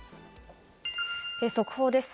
速報です。